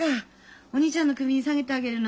おにいちゃんの首に提げてあげるの？